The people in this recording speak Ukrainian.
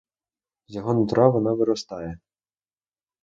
З його нутра вона виростає.